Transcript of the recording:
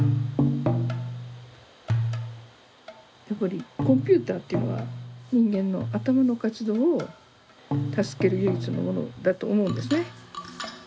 やっぱりコンピューターというのは人間の頭の活動を助ける唯一のものだと思うんですね。